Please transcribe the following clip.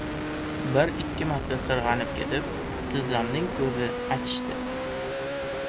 Bir-ikki marta sirg‘anib ketib, tizzamning ko‘zi achishdi.